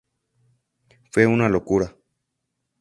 Fue una locura.